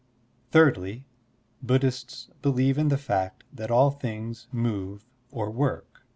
' Thirdly, Buddhists believe in the fact that all things move or work.